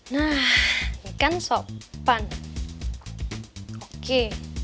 nah ini kan sopan oke